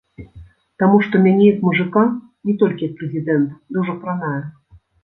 Таму што мяне як мужыка, не толькі як прэзідэнта, дужа кранае.